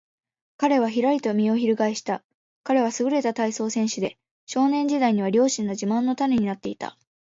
彼はひらりと身をひるがえした。彼はすぐれた体操選手で、少年時代には両親の自慢の種になっていた。